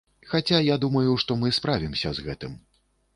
Хаця я думаю, што мы справімся з гэтым.